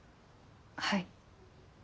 はい。